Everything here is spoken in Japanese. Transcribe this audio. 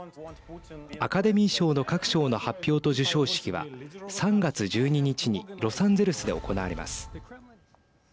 アカデミー賞の各賞の発表と授賞式は３月１２日にロサンゼルスで行われます。